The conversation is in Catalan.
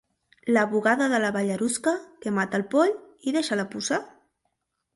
La bugada de la Ballarusca, que mata el poll i deixa la puça.